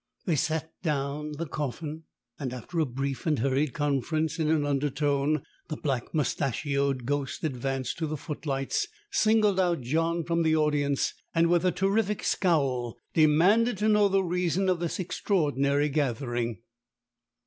They set down the coffin, and, after a brief and hurried conference in an undertone, the black mustachioed ghost advanced to the footlights, singled out John from the audience, and with a terrific scowl demanded to know the reason of this extraordinary gathering.